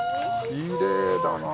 きれいだな。